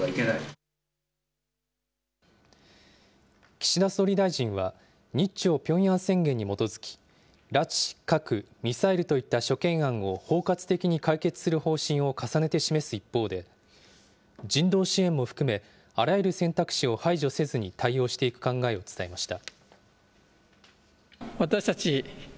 岸田総理大臣は、日朝ピョンヤン宣言に基づき、拉致・核・ミサイルといった諸懸案を包括的に解決する方針を重ねて示す一方で、人道支援も含め、あらゆる選択肢を排除せずに対応していく考えを伝えました。